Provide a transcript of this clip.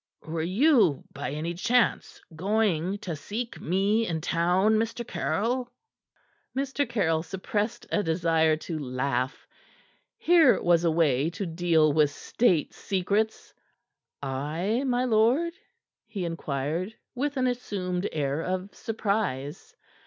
"Were you, by any chance, going to seek me in town, Mr. Caryll?" Mr. Caryll suppressed a desire to laugh. Here was a way to deal with State secrets. "I, my lord?" he inquired, with an assumed air of surprise.